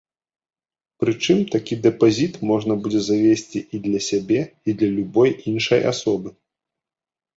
Прычым такі дэпазіт можна будзе завесці і для сябе, і для любой іншай асобы.